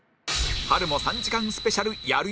春も３時間スペシャルやるよ